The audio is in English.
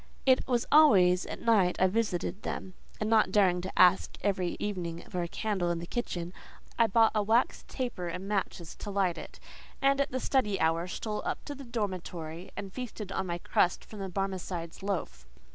It was always at night I visited them, and not daring to ask every evening for a candle in the kitchen, I bought a wax taper and matches to light it, and at the study hour stole up to the dormitory and feasted on my crust from the Barmecide's loaf.